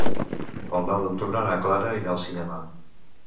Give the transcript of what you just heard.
El nou d'octubre na Clara irà al cinema.